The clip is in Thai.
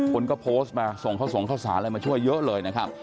คนก็โพสต์มาส่งข้าวส่งข้าวสารอะไรมาช่วยเยอะเลยนะครับ